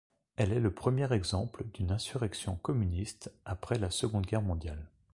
Elle est le premier exemple d'une insurrection communiste après la Seconde Guerre mondiale.